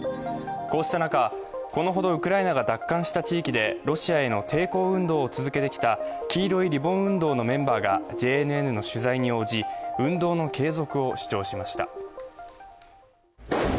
こうした中、このほどウクライナが奪還した地域でロシアへの抵抗運動を続けてきた黄色いリボン運動のメンバーがＪＮＮの取材に応じ、運動の継続を主張しました。